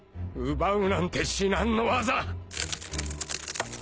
奪うなんて至難の業。